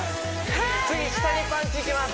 次下にパンチいきます